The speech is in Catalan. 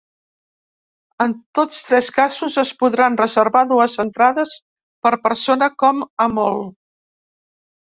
En tots tres casos, es podran reservar dues entrades per persona com a molt.